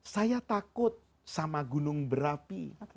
saya takut sama gunung berapi